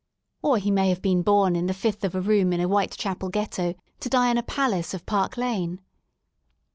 Or he may have been born in the fifth of a room in a Whitechapel ghetto, to die in a palace of Park Lane.